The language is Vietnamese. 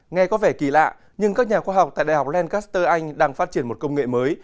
nghe có vẻ kỳ lạ nhưng các nhà khoa học tại đại học len kaster anh đang phát triển một công nghệ mới